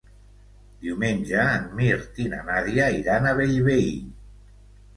Diumenge en Mirt i na Nàdia iran a Bellvei.